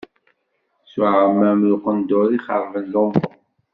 S uεmam d uqendur i xerben lumuṛ.